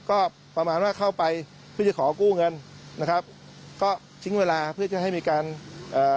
ก็ประมาณว่าเข้าไปเพื่อจะขอกู้เงินนะครับก็ทิ้งเวลาเพื่อจะให้มีการเอ่อ